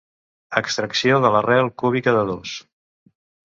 Extracció de l'arrel cúbica de dos.